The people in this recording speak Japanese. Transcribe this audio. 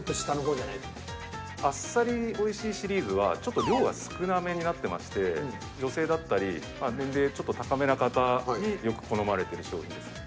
あっさりおいしいシリーズはちょっと量が少なめになってまして女性だったり年齢ちょっと高めな方によく好まれてる商品です。